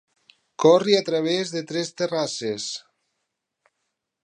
Corre a través de tres terrasses.